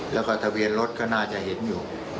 แล้วก็ทะเบียนรถก็น่าจะเห็นอยู่